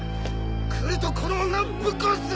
来るとこの女をぶっ殺すぞ！